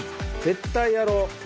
絶対やろう！